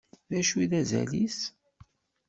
D acu i d azal-is?